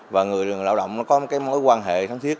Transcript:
và người lao động nó có một cái mối quan hệ thân thiết